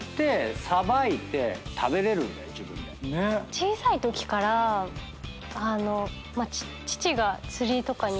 小さいときから父が釣りとかに行くことが。